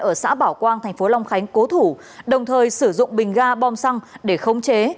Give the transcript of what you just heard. ở xã bảo quang thành phố long khánh cố thủ đồng thời sử dụng bình ga bom xăng để khống chế